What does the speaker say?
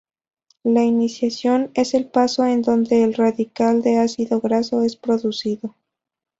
La iniciación es el paso en donde el radical de ácido graso es producido.